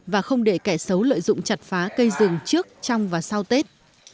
và không để kẻ xấu lợi dụng chặt phá cây rừng trước trong và sau tết